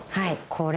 これ。